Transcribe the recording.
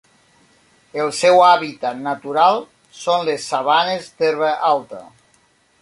El seu hàbitat natural són les sabanes d'herba alta.